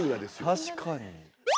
確かに。